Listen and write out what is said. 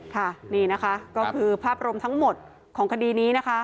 ค่ะนี่นะคะก็คือภาพรวมทั้งหมดของคดีนี้นะคะ